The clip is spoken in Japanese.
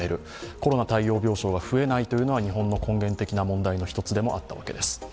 コロナ対応病床が増えないというのが日本の根源的な問題の一つでもあったんです。